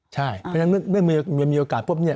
ใช่ฉะนั้นเมื่อมีโอกาสปุ๊บนี้